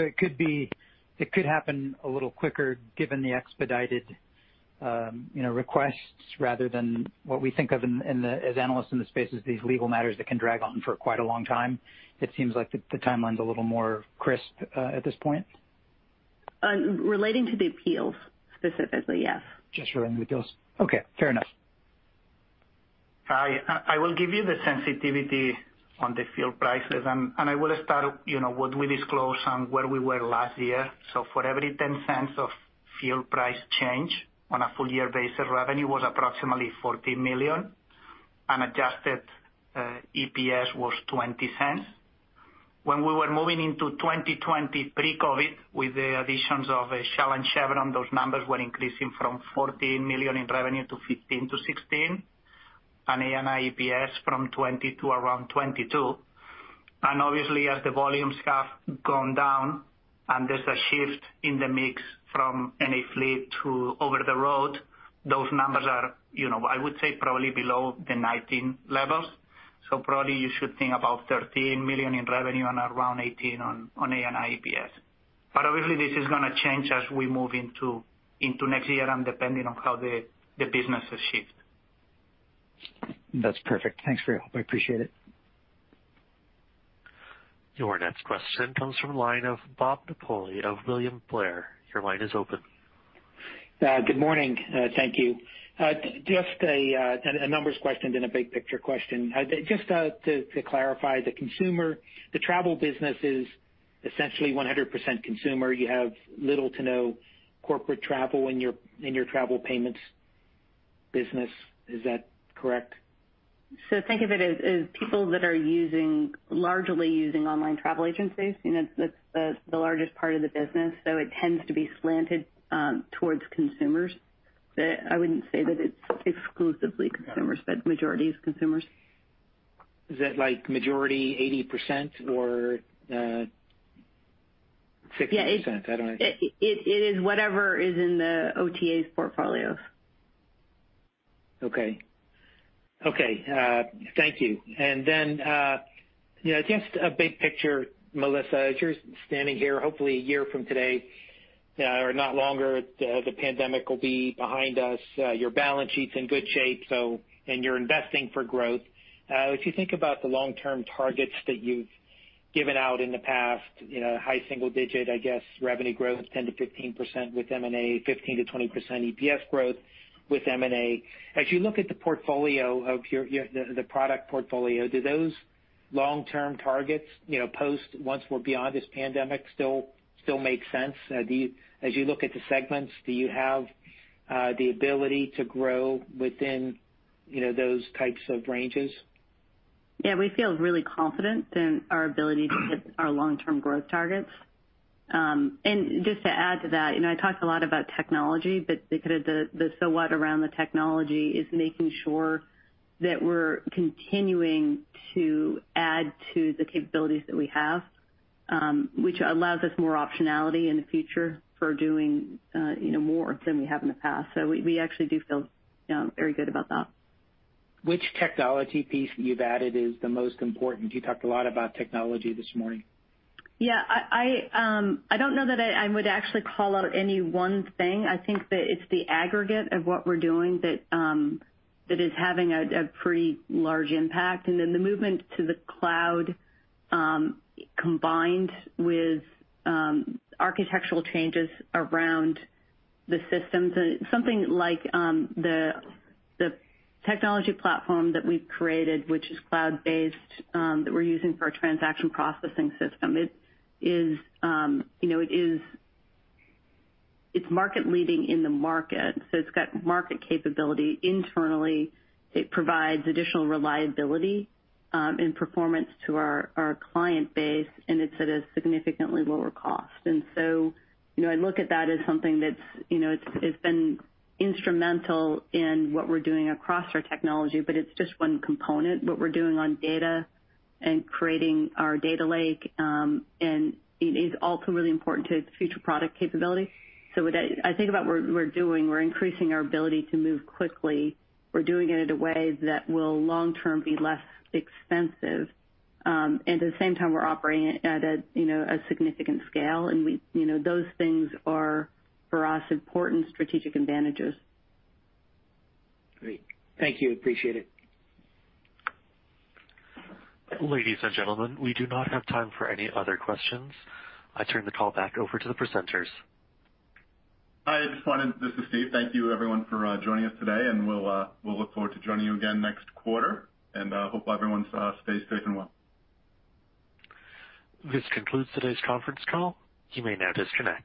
It could happen a little quicker given the expedited requests rather than what we think of as analysts in the space as these legal matters that can drag on for quite a long time. It seems like the timeline's a little more crisp at this point. Relating to the appeals specifically, yes. Just relating to the appeals. Okay, fair enough. I will give you the sensitivity on the fuel prices. I will start what we disclosed on where we were last year. For every $0.10 of fuel price change on a full year basis, revenue was approximately $14 million, and adjusted EPS was $0.20. When we were moving into 2020 pre-COVID with the additions of Shell and Chevron, those numbers were increasing from $14 million in revenue to $15 million-$16 million, and EPS from $0.20 to around $0.22. Obviously as the volumes have gone down and there's a shift in the mix from NA fleet to over the road. Those numbers are, I would say probably below the '19 levels. Probably you should think about $13 million in revenue and around $0.18 on ANI EPS. Obviously this is going to change as we move into next year and depending on how the businesses shift. That's perfect. Thanks for your help. I appreciate it. Your next question comes from the line of Bob Napoli of William Blair. Your line is open. Good morning. Thank you. Just a numbers question then a big picture question. Just to clarify the consumer, the travel business is essentially 100% consumer. You have little to no corporate travel in your Travel Payments business. Is that correct? Think of it as people that are largely using online travel agencies. That's the largest part of the business. It tends to be slanted towards consumers. I wouldn't say that it's exclusively consumers, but majority is consumers. Is that like majority 80% or 60%? I don't know. It is whatever is in the OTA's portfolios. Okay. Thank you. Just a big picture, Melissa, as you're standing here, hopefully a year from today or not longer, the pandemic will be behind us. Your balance sheet's in good shape, and you're investing for growth. If you think about the long-term targets that you've given out in the past, high single-digit, I guess, revenue growth, 10%-15% with M&A, 15%-20% EPS growth with M&A. As you look at the product portfolio, do those long-term targets, post once we're beyond this pandemic, still make sense? As you look at the segments, do you have the ability to grow within those types of ranges? Yeah, we feel really confident in our ability to hit our long-term growth targets. Just to add to that, I talked a lot about technology, but the so what around the technology is making sure that we're continuing to add to the capabilities that we have, which allows us more optionality in the future for doing more than we have in the past. We actually do feel very good about that. Which technology piece you've added is the most important? You talked a lot about technology this morning. Yeah. I don't know that I would actually call out any one thing. I think that it's the aggregate of what we're doing that is having a pretty large impact. The movement to the cloud, combined with architectural changes around the systems and something like the technology platform that we've created, which is cloud-based, that we're using for our transaction processing system. It's market leading in the market, so it's got market capability internally. It provides additional reliability and performance to our client base, and it's at a significantly lower cost. I look at that as something that's been instrumental in what we're doing across our technology, but it's just one component. What we're doing on data and creating our data lake, and it is also really important to future product capability. I think about what we're doing, we're increasing our ability to move quickly. We're doing it in a way that will long-term be less expensive. At the same time, we're operating at a significant scale, and those things are, for us, important strategic advantages. Great. Thank you. Appreciate it. Ladies and gentlemen, we do not have time for any other questions. I turn the call back over to the presenters. Hi, this is Steve. Thank you everyone for joining us today, and we'll look forward to joining you again next quarter. Hope everyone stays safe and well. This concludes today's conference call. You may now disconnect.